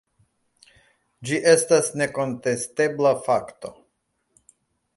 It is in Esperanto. Ĝi estas nekontestebla fakto.